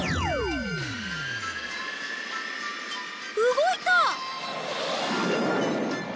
動いた！